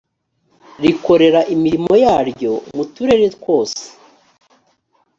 rikorera imirimo yaryo muturere twose